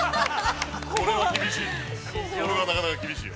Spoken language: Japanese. これは厳しい。